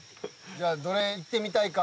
じゃあどれいってみたいか？